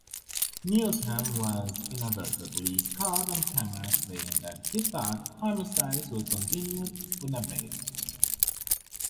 Newsham was inadvertently caught on camera saying that he thought homicides would continue unabated.